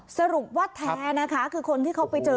สรุปว่าแท้นะคะคือคนที่เขาไปเจอ